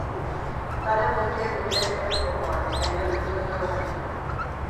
Talde guztiek dute zerbait jokoan eta inork ez du ezer oparituko.